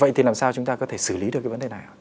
vậy thì làm sao chúng ta có thể xử lý được cái vấn đề này ạ